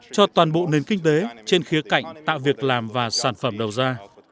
cho toàn bộ nền kinh tế trên khía cạnh tạo việc làm và sản phẩm đầu ra